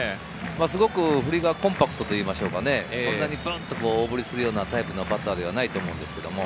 すごく振りがコンパクトというか、大振りするようなタイプのバッターではないと思うんですけど。